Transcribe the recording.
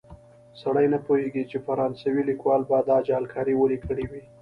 سړی نه پوهېږي چې فرانسوي لیکوال به دا جعلکاري ولې کړې وي.